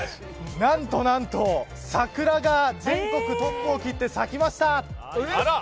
何と何と、桜が全国トップを切って咲きました。